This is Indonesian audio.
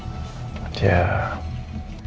tidak ada yang merci jujur